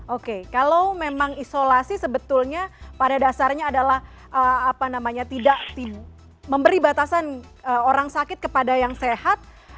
oke kalau memang isolasi sebetulnya pada dasarnya adalah tidak memberi batasan orang sakit kepada yang sehat